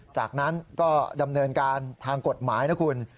จากนั้นก็ดำเนินการทางกฎหมายนะคุณ